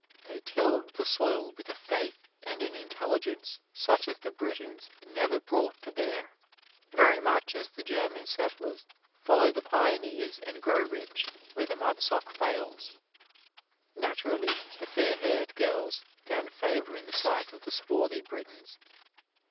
They tilled the soil with a faith and an intelligence such as the Britons never brought to bear: very much as the German settlers follow the pioneers and grow rich where the Mudsock fails. Naturally the fair haired girls found favor in the sight of the swarthy Britons.